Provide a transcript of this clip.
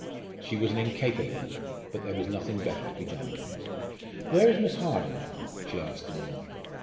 She was an incapable, but there was nothing better to be done. "Where is Miss Harden?" she asked the woman.